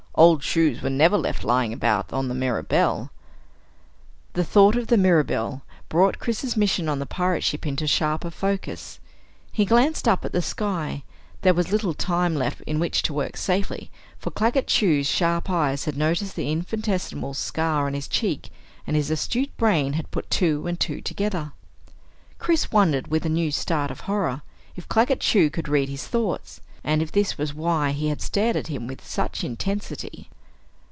Old shoes were never left lying about on the Mirabelle. The thought of the Mirabelle brought Chris's mission on the pirate ship into sharper focus. He glanced up at the sky; there was little time left in which to work safely, for Claggett Chew's sharp eyes had noticed the infinitesimal scar on his cheek and his astute brain had put two and two together. Chris wondered, with a new start of horror, if Claggett Chew could read his thoughts, and if this was why he had stared at him with such intensity.